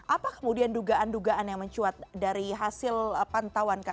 apa kemudian dugaan dugaan yang mencuat dari hasil pantauan